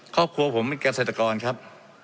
ครอบครัวผมเป็นเกษตรกรครับ